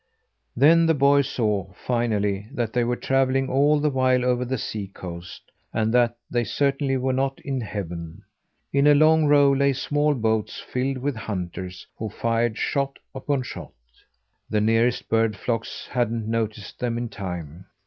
Then the boy saw, finally, that they were travelling all the while over the sea coast, and that they certainly were not in heaven. In a long row lay small boats filled with hunters, who fired shot upon shot. The nearest bird flocks hadn't noticed them in time.